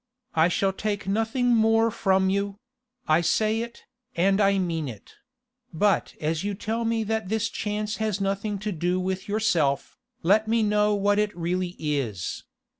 I shall take nothing more from you: I say it, and I mean it; but as you tell me that this chance has nothing to do with yourself, let me know what it really is.